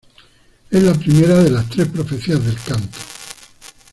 Es la primera de las tres profecías del canto.